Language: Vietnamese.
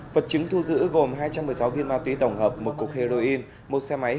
vật chứng thu giữ gồm hai trăm một mươi sáu viên ma túy tổng hợp một cục heroin một xe máy